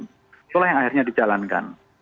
itulah yang akhirnya dijalankan